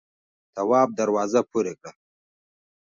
تواب دروازه پورې کړه.